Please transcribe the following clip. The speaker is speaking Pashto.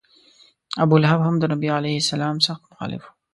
ابولهب هم د نبي علیه سلام سخت مخالف و.